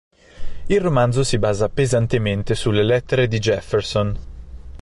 Il romanzo si basa pesantemente sulle lettere di Jefferson.